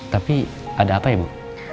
tapi ada apa ya bu